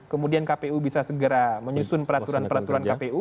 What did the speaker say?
kemudian kpu bisa segera menyusun peraturan peraturan kpu